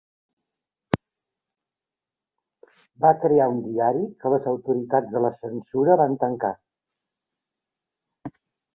Va crear un diari que les autoritats de la censura van tancar.